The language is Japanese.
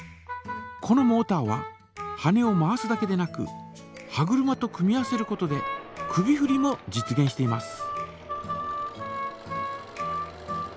このモータは羽根を回すだけでなく歯車と組み合わせることで首ふりも実げんしています。